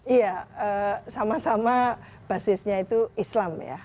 iya sama sama basisnya itu islam ya